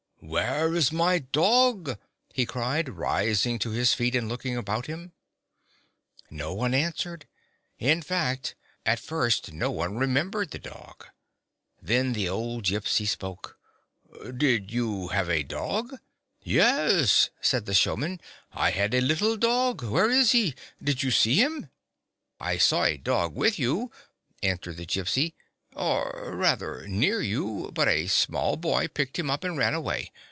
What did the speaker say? " Where is my dog ?" he cried, rising to his feet and looking about him. No one answered. In fact, at first no one remembered the dog. Then the old Gypsy spoke :" Did you have a dog ?" "Yes," said the showman, "I had a little dog. Where is he ? Did you see him ?"" I saw a dog with you," answered the Gypsy, "or, rather, near you. But a small boy picked him up and ran away.